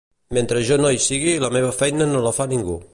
Mentre jo no hi sigui la meva feina no la fa ningú